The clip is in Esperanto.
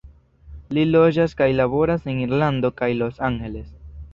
Li loĝas kaj laboras en Irlando kaj Los Angeles.